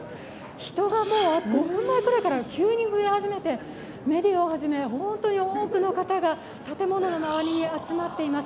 人がもう５分前ぐらいから急に増え始めてメディアをはじめ、本当に多くの方が建物の周りに集まっています。